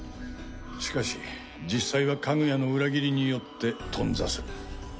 しかし実際はカグヤの裏切りによって頓挫する。